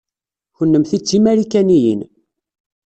Kennemti d timarikaniyin.